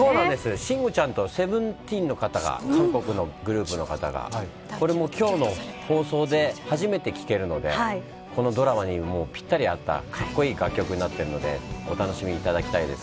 慎吾ちゃんとＳＥＶＥＮＴＥＥＮの方が韓国のグループの方がこれも今日の放送で初めて聞けるのでこのドラマに、ぴったり合ったかっこいい楽曲になっているのでお楽しみいただきたいです。